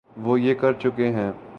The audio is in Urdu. وہ یہ کر چکے ہیں۔